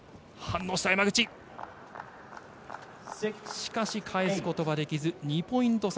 しかし、返すことができず２ポイント差。